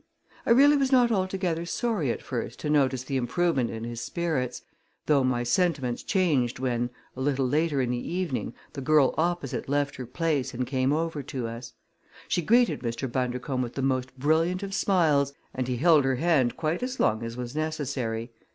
I really was not altogether sorry at first to notice the improvement in his spirits, though my sentiments changed when, a little later in the evening, the girl opposite left her place and came over to us. She greeted Mr. Bundercombe with the most brilliant of smiles and he held her hand quite as long as was necessary.